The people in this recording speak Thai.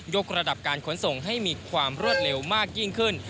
กระดับการขนส่งให้มีความรวดเร็วมากยิ่งขึ้น